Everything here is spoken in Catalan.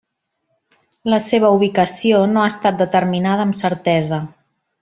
La seva ubicació no ha estat determinada amb certesa.